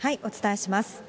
お伝えします。